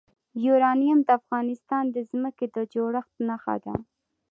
یورانیم د افغانستان د ځمکې د جوړښت نښه ده.